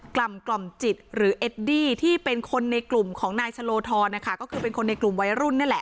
กล่อมจิตหรือเอดดี้ที่เป็นคนในกลุ่มของนายชะโลธรนะคะก็คือเป็นคนในกลุ่มวัยรุ่นนี่แหละ